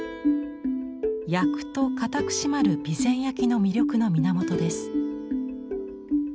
焼くと硬く締まる備前焼の魅力の源です。